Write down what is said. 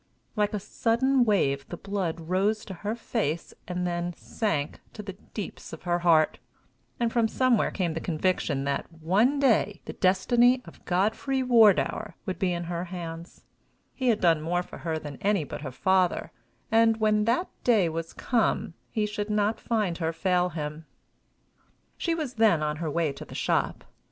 Like a sudden wave the blood rose to her face, and then sank to the deeps of her heart; and from somewhere came the conviction that one day the destiny of Godfrey Wardour would be in her hands: he had done more for her than any but her father; and, when that day was come, he should not find her fail him! She was then on her way to the shop.